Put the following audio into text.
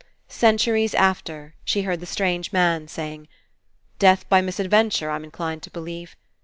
Centuries after, she heard the strange man saying: 'JDeath by misadventure, I'm In clined to believe.